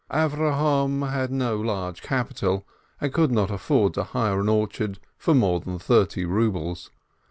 Avrohom had no large capital, and could not afford to hire an orchard for more than thirty rubles.